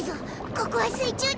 ここは水中だ！